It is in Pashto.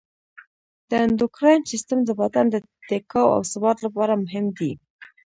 د اندوکراین سیستم د بدن د ټیکاو او ثبات لپاره مهم دی.